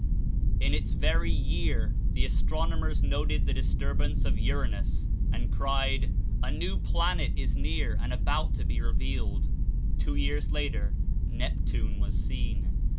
In its very year the astronomers noted the distur bance of Uranus and cried: "A new planet is near and about to be revealed !" Two years later Neptune was seen.